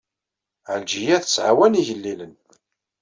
Ɛelǧiya tettɛawan igellilen.